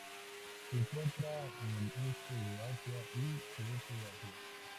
Se encuentra en este de Asia y sudeste de Asia.